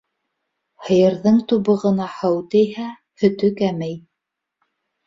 Һыйырҙың тубығына һыу тейһә, һөтө кәмей.